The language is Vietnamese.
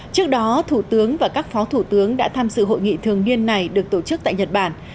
trước đó thủ tướng và các phó thủ tướng đã tham dự hội nghị thường niên này được tổ chức tại nhật bản